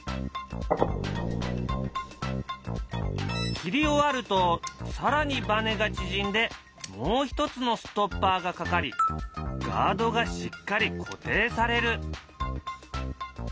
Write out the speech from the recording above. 切り終わると更にバネが縮んでもう一つのストッパーがかかりガードがしっかり固定される。